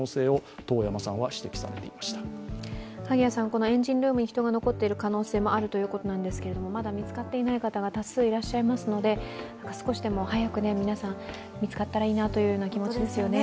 このエンジンルームに人が残っている可能性もあるということなんですがまだ見つかっていない方が多数いらっしゃいますので少しでも早く皆さん、見つかったらいいなという気持ちですよね。